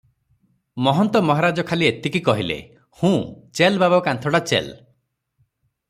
ମହନ୍ତ ମହାରାଜ ଖାଲି ଏତିକି କହିଲେ, "ହୁଁ - ଚେଲ୍ ବାବା କାନ୍ଥଡ଼ା ଚେଲ୍ ।"